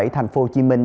thành phố hồ chí minh